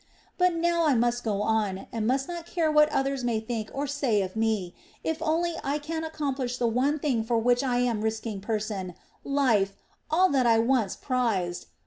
But now I must go on, and must not care what others may think or say of me, if only I can accomplish the one thing for which I am risking person, life, all that I once prized!